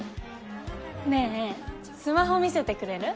ねえスマホ見せてくれる？